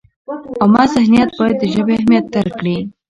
عامه ذهنیت باید د ژبې اهمیت درک کړي.